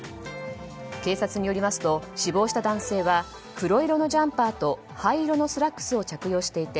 警察によりますと死亡した男性は黒色のジャンパーと灰色のスラックスを着用していて